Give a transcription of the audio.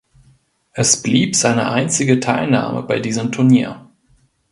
Es blieb seine einzige Teilnahme bei diesem Turnier.